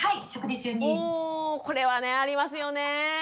おこれはねありますよねえ。